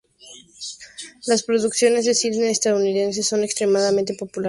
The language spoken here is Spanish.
Las producciones de cine estadounidenses son extremadamente populares en el planeta.